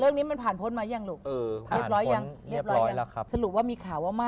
เรื่องนี้มันผ่านพ้นมายังลูก